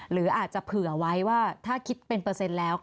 หรืออาจจะเผื่อไว้ว่าถ้าคิดเป็นเปอร์เซ็นต์แล้ว